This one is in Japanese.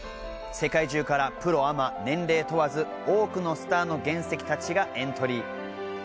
世界中からプロ・アマ、年齢問わず、多くのスターの原石たちがエントリー。